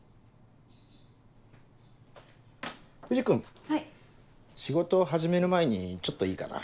藤君仕事始める前にちょっといいかな。